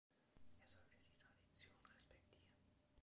Er sollte die Tradition respektieren.